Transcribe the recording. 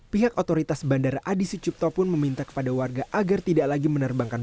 pihak otoritas bandara adi sucipto pun meminta kepada warga agar tidak lagi menerbangkan